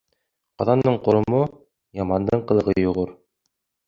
Ҡаҙандың ҡоромо, ямандың ҡылығы йоғор.